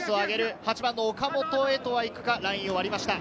８番の岡本へは行くか、ラインを割りました。